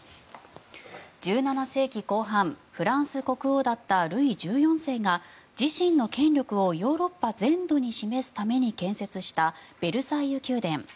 １７世紀後半フランス国王だったルイ１４世が自身の権力をヨーロッパ全土に示すために建設したベルサイユ宮殿。